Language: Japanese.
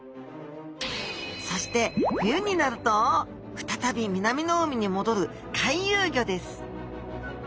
そして冬になると再び南の海に戻る回遊魚です。